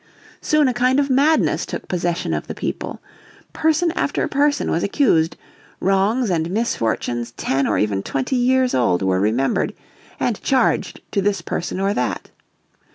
Soon a kind of madness took possession of the people. Person after person was accused; wrongs and misfortunes ten or even twenty years old were remembered, and charged to this person or that.